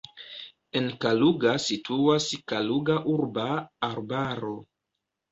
En Kaluga situas Kaluga urba arbaro.